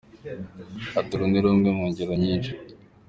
Ati "Uru ni rumwe mu ngero nyinshi.